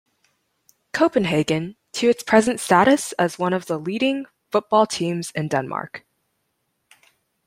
Copenhagen, to its present status as one of the leading football teams in Denmark.